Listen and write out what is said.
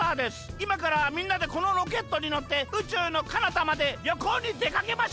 いまからみんなでこのロケットにのってうちゅうのかなたまでりょこうにでかけましょう！